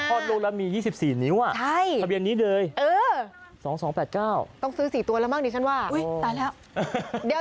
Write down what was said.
อดลูกแล้วมี๒๔นิ้วทะเบียนนี้เลย๒๒๘๙ต้องซื้อ๔ตัวแล้วมั้งดิฉันว่าอุ๊ยตายแล้ว